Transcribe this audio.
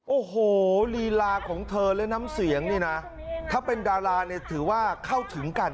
โอ้โหลีลาของเธอและน้ำเสียงนี่นะถ้าเป็นดาราเนี่ยถือว่าเข้าถึงกัน